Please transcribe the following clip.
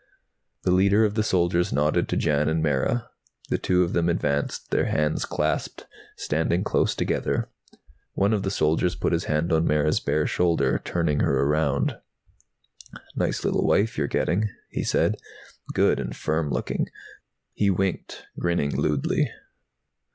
The leader of the soldiers nodded to Jan and Mara. The two of them advanced, their hands clasped, standing close together. One of the soldiers put his hand on Mara's bare shoulder, turning her around. "Nice little wife you're getting," he said. "Good and firm looking." He winked, grinning lewdly.